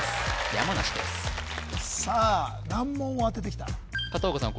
山梨ですさあ難問を当ててきた片岡さん